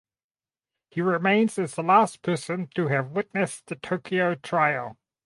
He remained as the last person to have witnessed the Tokyo Trial.